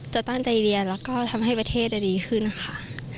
จะตั้งใจเรียนแล้วก็ทำให้ประเทศดีขึ้นค่ะ